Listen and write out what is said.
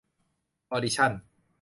ออดิชั่น